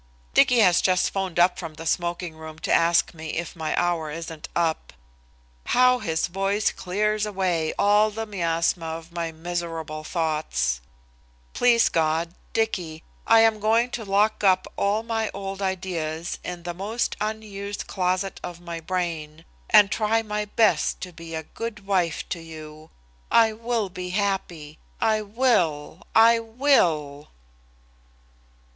Dicky has just 'phoned up from the smoking room to ask me if my hour isn't up. How his voice clears away all the miasma of my miserable thoughts! Please God, Dicky, I am going to lock up all my old ideas in the most unused closet of my brain, and try my best to be a good wife to you! I will be happy! I will! I WILL!